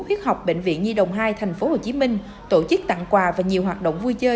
huyết học bệnh viện nhi đồng hai tp hcm tổ chức tặng quà và nhiều hoạt động vui chơi